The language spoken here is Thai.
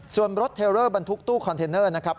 ส่วนรถเทลเลอร์บรรทุกตู้คอนเทนเนอร์นะครับ